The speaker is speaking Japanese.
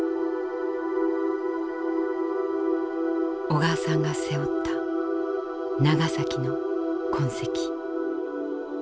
小川さんが背負った「ナガサキ」の痕跡。